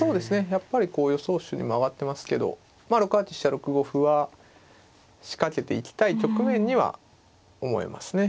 やっぱり予想手にも挙がってますけど６八飛車６五歩は仕掛けていきたい局面には思えますね。